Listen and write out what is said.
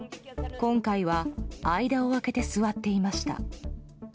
今回は間を空けて座っていました。